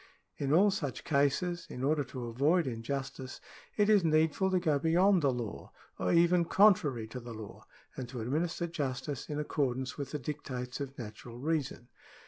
In all such cases in order to avoid in justice, it is needful to go beyond the law, or even contrary to the law, and to administer justice in accordance with the dictates of natural reason.